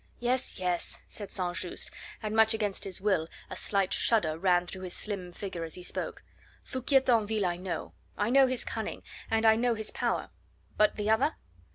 "Yes, yes," said St. Just, and much against his will a slight shudder ran through his slim figure as he spoke. "Foucquier Tinville I know; I know his cunning, and I know his power but the other?"